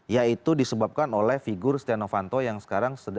yaitu disebabkan oleh figur stiano fanto yang sekarang sudah menjadi